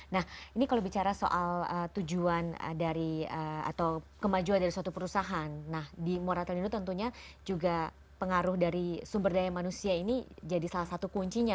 nah ini kalau bicara soal tujuan dari atau kemajuan dari suatu perusahaan nah di moratorium tentunya juga pengaruh dari sumber daya manusia ini jadi salah satu kuncinya